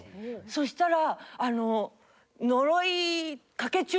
そしたら。